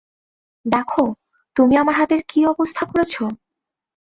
দেখো, তুমি আমার হাতের কী অবস্থা করেছো!